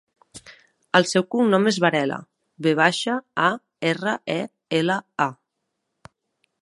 El seu cognom és Varela: ve baixa, a, erra, e, ela, a.